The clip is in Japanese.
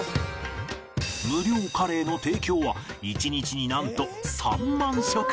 無料カレーの提供は１日になんと３万食以上